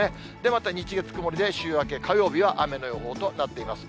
また日、月、曇りで週明け火曜日は雨の予報となっています。